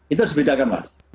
itu harus dibedakan mas